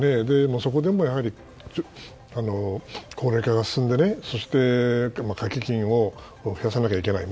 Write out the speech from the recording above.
そこでも高齢化が進んでそして、掛け金を増やさなきゃいけない。